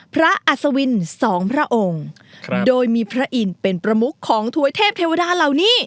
อัศวินสองพระองค์โดยมีพระอินทร์เป็นประมุขของถวยเทพเทวดาเหล่านี้